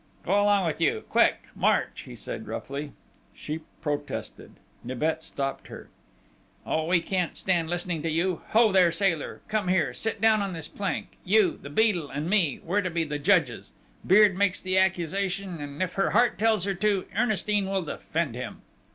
"Go along with you! Quick march!" he said roughly. She protested. Nibet stopped her. "Oh, we can't stand listening to you!... Ho there, Sailor!... Come here!... Sit down on this plank! You, the Beadle, and me we're to be the judges.... Beard makes the accusation: and, if her heart tells her to, Ernestine will defend him."